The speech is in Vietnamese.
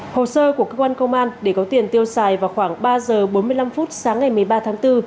hồ sơ của cơ quan công an để có tiền tiêu xài vào khoảng ba giờ bốn mươi năm phút sáng ngày một mươi ba tháng bốn